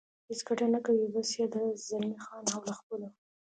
هېڅ ګټه نه کوي، بس یې ده، زلمی خان او له خپلو.